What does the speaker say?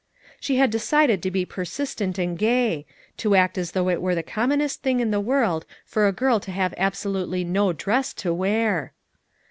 She had decided to be persistent and gay; to act as though it were the commonest thing in the world for a girl to have absolutely no dress to wear.